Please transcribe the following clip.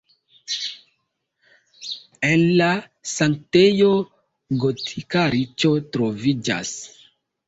En la sanktejo gotika niĉo troviĝas.